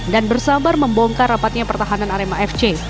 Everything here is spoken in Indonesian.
dan bersabar membongkar rapatnya pertahanan arema fc